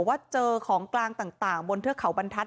ว่าเจอของกลางต่างบนเทือกเขาบรรทัศ